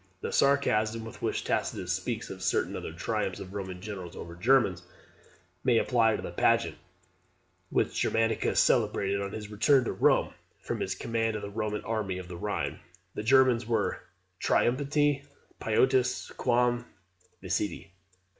The sarcasm with which Tacitus speaks of certain other triumphs of Roman generals over Germans, may apply to the pageant which Germanicus celebrated on his return to Rome from his command of the Roman army of the Rhine. The Germans were "TRIUMPHATI POTIUS QUAM VICTI."